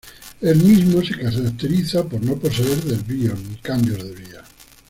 El mismo se caracteriza por no poseer desvíos, ni cambios de vía.